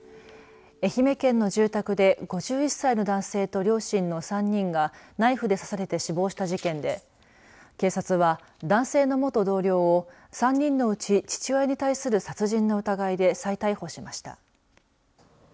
愛媛県の住宅で、５１歳の男性と両親の３人がナイフで刺されて死亡した事件で警察は、男性の元同僚を３人のうち父親に対する殺人の疑いで再逮捕しました。